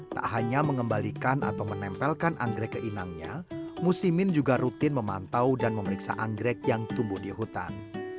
tak hanya mengembalikan atau menempelkan anggrek ke inangnya musimin juga rutin memantau dan memeriksa anggrek yang tumbuh di hutan